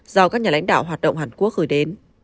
do các nhà lãnh đạo hoạt động hàn quốc gửi đến